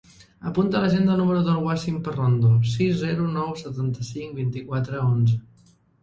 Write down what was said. Apunta a l'agenda el número del Wassim Parrondo: sis, zero, nou, setanta-cinc, vint-i-quatre, onze.